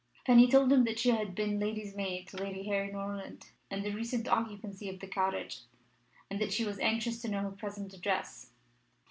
Fanny told him that she had been lady's maid to Lady Harry Norland, in the recent occupancy of the cottage, and that she was anxious to know her present address.